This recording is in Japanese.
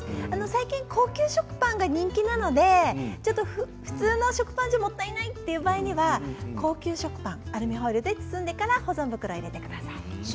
最近、高級食パンが人気なのでちょっと普通の食パンじゃもったいないという場合には高級食パンをアルミホイルで包んでから保存袋に入れてください。